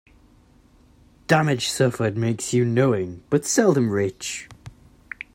Damage suffered makes you knowing, but seldom rich.